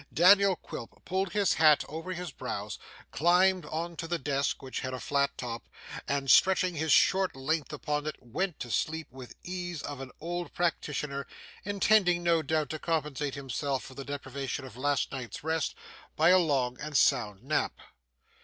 Daniel Quilp pulled his hat over his brows, climbed on to the desk (which had a flat top) and stretching his short length upon it went to sleep with ease of an old practitioner; intending, no doubt, to compensate himself for the deprivation of last night's rest, by a long and sound nap.